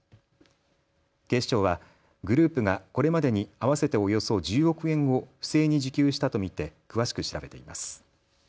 警視庁はグループがこれまでに合わせておよそ１０億円を不正に受給したと見て詳しく調べています。